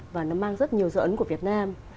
và nó mang rất nhiều dấu ấn của việt nam